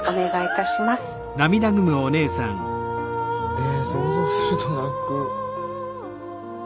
え想像すると泣く。